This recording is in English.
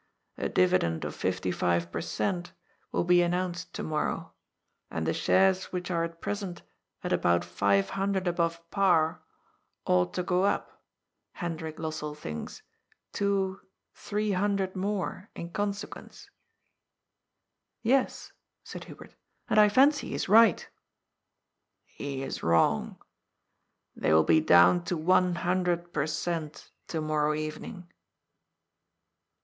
A dividend of fifty five per THE CATASTROPHE. 395 cent, will be announced to morrow, and the shares which are at present at about 600 above par ought to go up, Hen drik Lossell thinks, two, three hundred more in conse quence." " Yes," said Hubert, " and I fancy he is right." " He is wrong. They will be down to one hundred per cent, to morrow evening."